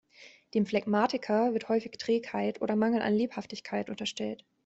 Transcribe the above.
Dem Phlegmatiker wird häufig Trägheit oder Mangel an Lebhaftigkeit unterstellt.